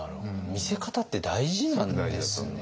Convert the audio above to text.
見せ方って大事なんですね。